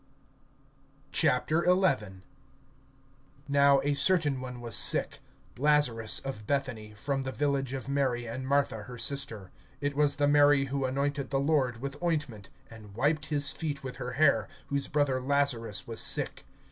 XI. NOW a certain one was sick, Lazarus of Bethany, from the village of Mary and Martha her sister. (2)It was the Mary who anointed the Lord with ointment, and wiped his feet with her hair, whose brother Lazarus was sick.